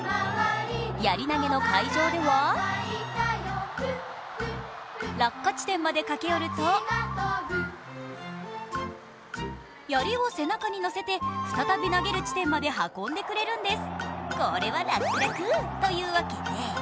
やり投げの会場では落下地点まで駆け寄るとやりを背中に載せて再び投げる地点まで運んでくれるんです。